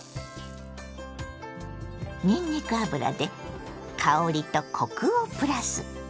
にんにく油で香りとコクをプラス。